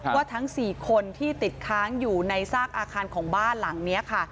ว่าทั้ง๔คนที่ติดค้างอยู่ในซากอาคารของบ้านหลังนี้ค่ะ